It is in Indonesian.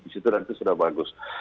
di situ dan itu sudah bagus